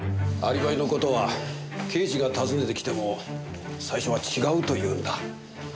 アリバイの事は刑事が訪ねてきても最初は「違う」と言うんだ。